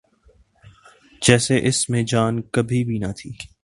جیسے اس میں جان کبھی بھی نہ تھی۔